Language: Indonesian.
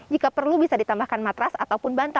jika perlu bisa ditambahkan matras ataupun bantal